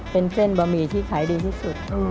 เป็นเส้นบะหมี่ที่ขายดีที่สุด